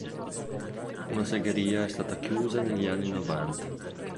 Una segheria è stata chiusa negli anni novanta.